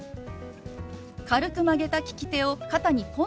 軽く曲げた利き手を肩にポンと置きます。